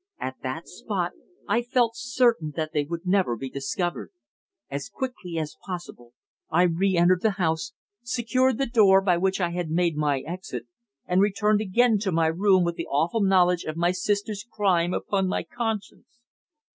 At that spot I felt certain that they would never be discovered. As quickly as possible I re entered the house, secured the door by which I had made my exit, and returned again to my room with the awful knowledge of my sister's crime upon my conscience."